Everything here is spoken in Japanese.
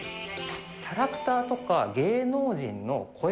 キャラクターとか芸能人の声